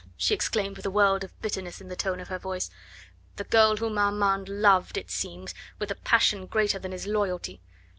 she exclaimed with a world of bitterness in the tone of her voice, "the girl whom Armand loved, it seems, with a passion greater than his loyalty.